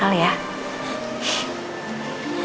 jangan banyak gerak